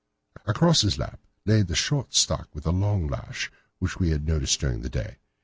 Across his lap lay the short stock with the long lash which we had noticed during the day.